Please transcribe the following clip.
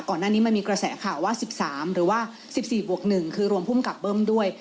ก่อนหน้านี้มันมีกระแสข่าวว่า๑๓หรือว่า๑๔บวก๑คือรวมภูมิกับเบิ้มด้วย